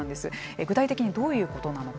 具体的にどういうことなのか。